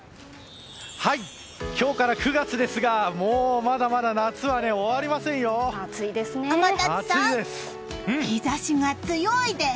今日から９月ですがもう、まだまだ夏は天達さん、日差しが強いです。